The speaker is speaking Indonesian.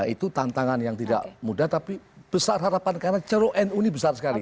itu tantangan yang tidak mudah tapi besar harapan karena ceruk nu ini besar sekali